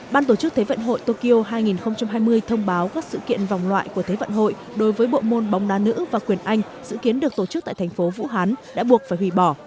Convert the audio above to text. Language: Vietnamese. ban tổ chức thế vận hội tokyo hai nghìn hai mươi thông báo các sự kiện vòng loại của thế vận hội đối với bộ môn bóng đá nữ và quyền anh dự kiến được tổ chức tại thành phố vũ hán đã buộc phải hủy bỏ